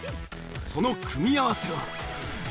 その組み合わせは。